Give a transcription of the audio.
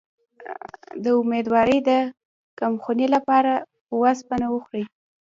د امیدوارۍ د کمخونی لپاره اوسپنه وخورئ